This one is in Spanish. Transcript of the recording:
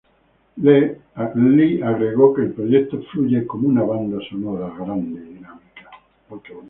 Lee agregó que el proyecto "fluye como una banda sonora grande y dinámica".